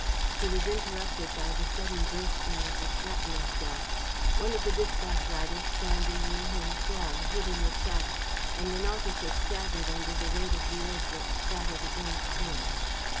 ..." He was interrupted by the sudden bursting of a shrapnel shell. One of the dispatch riders standing near him fell, hit in the chest, and an officer staggered under the weight of the earth that spattered against him.